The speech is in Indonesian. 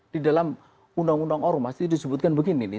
di dalam undang undang ormas itu disebutkan begini nih